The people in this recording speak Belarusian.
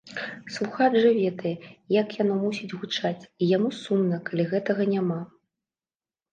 Слухач жа ведае, як яно мусіць гучаць, і яму сумна, калі гэтага няма.